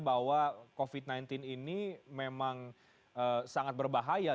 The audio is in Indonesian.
bahwa covid sembilan belas ini memang sangat berharga dan sangat berharga dan sangat berharga dan sangat berharga